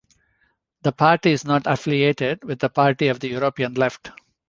The party is not affiliated with the Party of the European Left.